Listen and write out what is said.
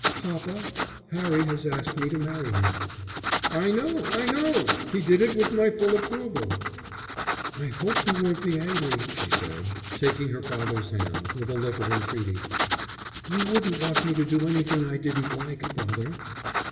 "Papa, Harry has asked me to marry him." "I know, I know. He did it with my full approval." "I hope you won't be angry," she said, taking her father's hand, with a look of entreaty. "You wouldn't want me to do anything I didn't like, father."